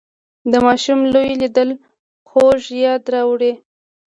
د ماشوم لوبې لیدل خوږ یاد راوړي